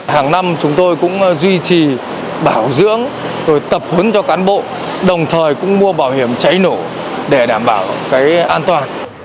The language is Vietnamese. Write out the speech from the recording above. hàng năm chúng tôi cũng duy trì bảo dưỡng rồi tập hứng cho cán bộ đồng thời cũng mua bảo hiểm cháy nổ để đảm bảo an toàn